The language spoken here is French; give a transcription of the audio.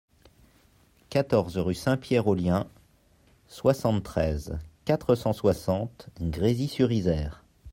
quatorze rue Saint-Pierre Aux Liens, soixante-treize, quatre cent soixante, Grésy-sur-Isère